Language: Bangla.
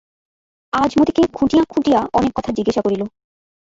আজ মতিকে খুঁটিয়া খুঁটিয়া অনেক কথা জিজ্ঞাসা করিল।